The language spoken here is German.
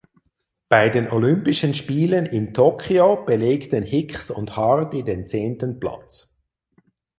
Bei den Olympischen Spielen in Tokio belegten Hicks und Hardy den zehnten Platz.